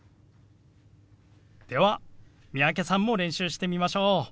では三宅さんも練習してみましょう。